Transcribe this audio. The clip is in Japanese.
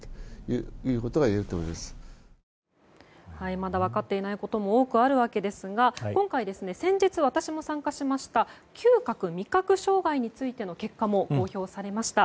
まだ分かっていないことも多くあるわけですが今回、先日私も参加しました嗅覚・味覚障害についての結果も公表されました。